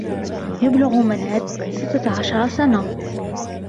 يبلغ منّاد ستة عشر سنة.